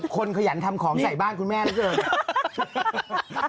คนขยันทำของใส่บ้านคุณแม่นะเชิญ